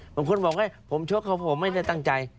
บางคนบอกว่าผมโชคเขาผมไม่ได้ตั้งใจ